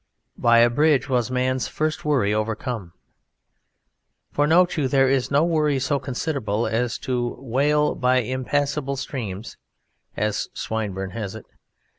By a bridge was man's first worry overcome. For note you, there is no worry so considerable as to wail by impassable streams (as Swinburne has it).